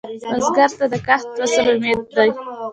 بزګر ته د کښت فصل امید دی